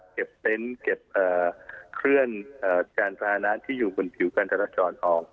เก็บเต้นเก็บเคลื่อนจานภาระนั้นที่อยู่บนผิวการทราชรออก